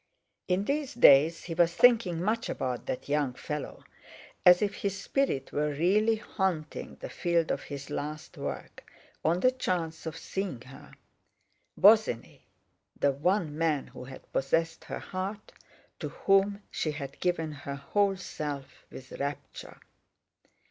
In these days he was thinking much about that young fellow, as if his spirit were really haunting the field of his last work, on the chance of seeing—her. Bosinney—the one man who had possessed her heart, to whom she had given her whole self with rapture!